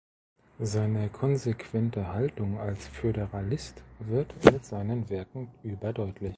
Seine konsequente Haltung als Föderalist wird mit seinen Werken überdeutlich.